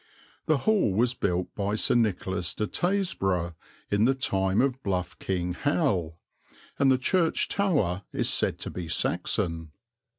The Hall was built by Sir Nicholas de Tasburgh in the time of bluff King Hal, and the church tower is said to be Saxon.